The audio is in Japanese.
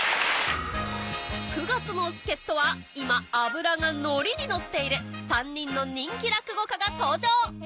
９月の助っ人は今脂が乗りに乗っている３人の人気落語家が登場